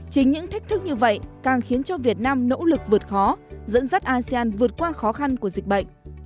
chính những thách thức như vậy càng khiến cho việt nam nỗ lực vượt khó dẫn dắt asean vượt qua khó khăn của dịch bệnh